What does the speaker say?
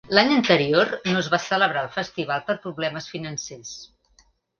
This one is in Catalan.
L'any anterior no es va celebrar el festival per problemes financers.